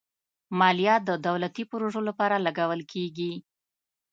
مالیه د دولتي پروژو لپاره لګول کېږي.